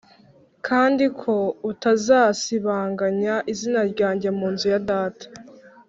kandi ko utazasibanganya izina ryanjye mu nzu ya data.